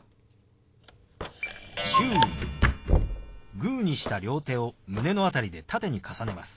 グーにした両手を胸の辺りで縦に重ねます。